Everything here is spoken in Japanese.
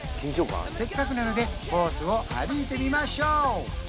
せっかくなのでコースを歩いてみましょう！